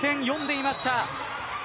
よんでいました。